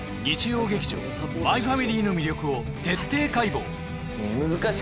日曜劇場「マイファミリー」の魅力を徹底解剖！